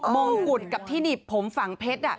มงกุฎกับที่หนีบผมฝั่งเพชร